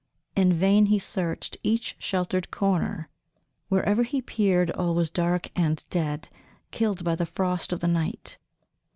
In vain he searched each sheltered corner; wherever he peered, all was dark and dead, killed by the frost of the night.